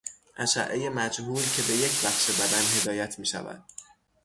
اشعهی مجهول که به یک بخش بدن هدایت میشود